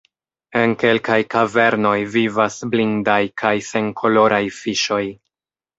En kelkaj kavernoj vivas blindaj kaj senkoloraj fiŝoj.